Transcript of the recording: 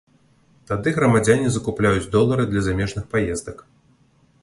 Тады грамадзяне закупляюць долары для замежных паездак.